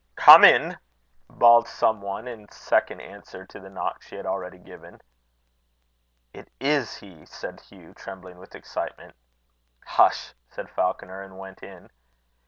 "Come in," bawled some one, in second answer to the knock she had already given. "It is he!" said Hugh, trembling with excitement. "Hush!" said Falconer, and went in.